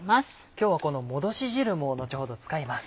今日はこのもどし汁も後ほど使います。